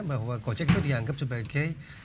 bahwa gojek itu dianggap sebagai